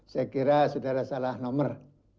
saya kira saudara salah nomor